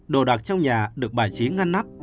đồ đạc trong nhà được bài trí ngăn nắp